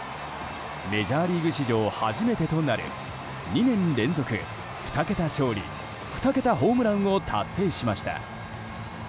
メジャーリーグ史上初めてとなる２年連続２桁勝利２桁ホームランを達成しました。